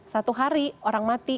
satu hari orang mati